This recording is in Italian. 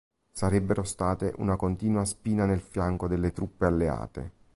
Sarebbero state una continua spina nel fianco delle truppe alleate.